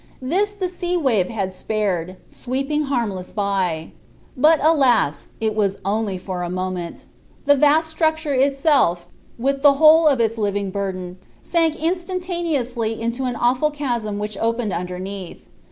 This the sea wave had spared, sweeping harmless by. But, alas! it was only for a moment. The vast structure itself, with the whole of its living burden, sank instantaneously into an awful chasm which opened underneath.